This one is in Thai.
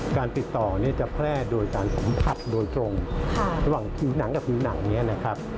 การติดต่อเนี่ยจะแพร่โดยการสัมผัสโดยตรงระหว่างผิวหนังกับผิวหนังเนี่ยนะครับ